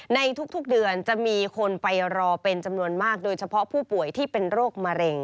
ในทุกเดือนจะมีคนไปรอเป็นจำนวนมากโดยเฉพาะผู้ป่วยที่เป็นโรคมะเร็ง